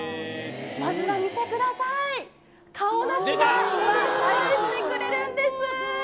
まずは見てください、カオナシが迎えてくれるんです。